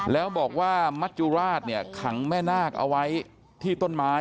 แล้วบอกว่ามัจจุราชเนี่ยขังแม่นาคเอาไว้ที่ต้นไม้